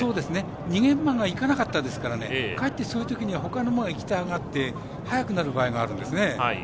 逃げ馬がいかなかったですからかえって、そういうときにほかの馬がいきたがって速くなる場合があるんですね。